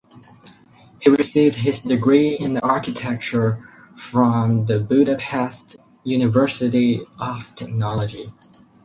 He received his degree in architecture from the Budapest University of Technology.